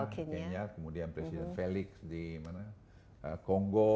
kenya kemudian presiden felix di kongo